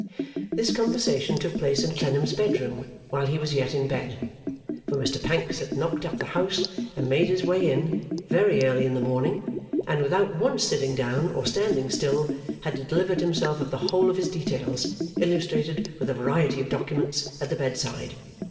This conversation took place in Clennam's bed room, while he was yet in bed. For Mr Pancks had knocked up the house and made his way in, very early in the morning; and, without once sitting down or standing still, had delivered himself of the whole of his details (illustrated with a variety of documents) at the bedside.